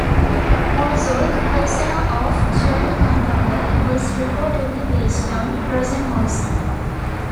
Also, the persona of Jerry Maguire was reportedly based on Rosenhaus.